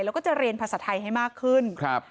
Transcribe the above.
แล้วก็จะเรียนภาษาไทยให้มากขึ้นครับ